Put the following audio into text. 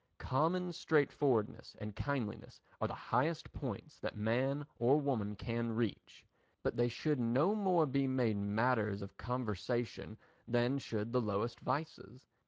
Common straightforwardness and kindliness are the highest points that man or woman can reach, but they should no more be made matters of conversation than should the lowest vices.